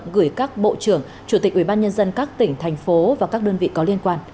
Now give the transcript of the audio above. gửi các bộ trưởng chủ tịch ubnd các tỉnh thành phố và các đơn vị có liên quan